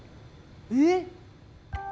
えっ？